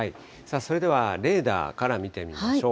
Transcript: それではレーダーから見てみましょう。